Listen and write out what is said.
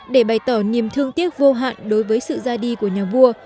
để bày tỏ niềm thương tiếc vô hạn đối với sự ra đi của nhà vua